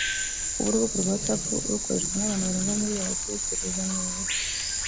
Kuba urubuga rwa ‘Whatsapp rukoreshwa n’abantu barenga milliard ku isi hose’ ruzanye ubu buryo